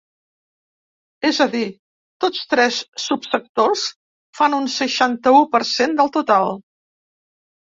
És a dir, tots tres subsectors fan un seixanta-u per cent del total.